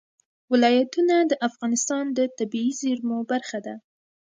ولایتونه د افغانستان د طبیعي زیرمو برخه ده.